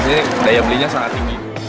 jadi daya belinya sangat tinggi